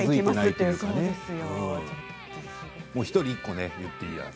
１人１個言っていいやつ